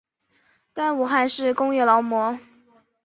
担任武汉市工业劳模。